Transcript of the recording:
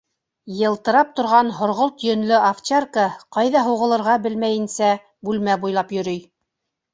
Йылтырап торған һорғолт йөнлө овчарка, ҡайҙа һуғылырға белмәйенсә, бүлмә буйлап йөрөй.